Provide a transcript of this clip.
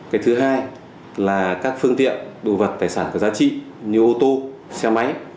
cái thứ hai là các phương tiện đồ vật tài sản có giá trị như ô tô xe máy